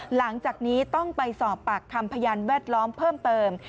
หลังจากนี้ต้องไปสอบปากคำพยานแวดล้อมเพิ่มเติม